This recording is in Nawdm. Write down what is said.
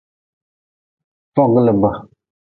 Foglb.